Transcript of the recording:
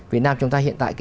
việt nam chúng ta hiện tại